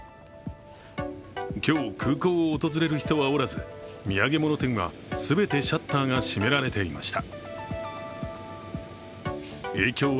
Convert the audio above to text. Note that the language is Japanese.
今日、空港を訪れる人はおらず土産物店は全てシャッターが閉められていました。